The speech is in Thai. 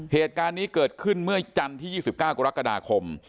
เหตุการณ์นี้เกิดขึ้นเมื่อจันทร์ที่๒๙กรกฎาคม